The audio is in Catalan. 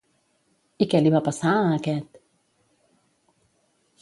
I què li va passar a aquest?